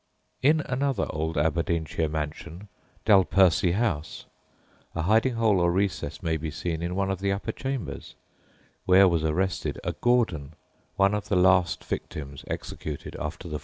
In another old Aberdeenshire mansion, Dalpersie House, a hiding hole or recess may be seen in one of the upper chambers, where was arrested a Gordon, one of the last victims executed after "the 45."